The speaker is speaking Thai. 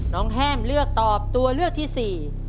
น้องแห้มเลือกตอบตัวเลือกที่๔